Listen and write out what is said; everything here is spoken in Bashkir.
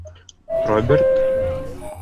Роберт?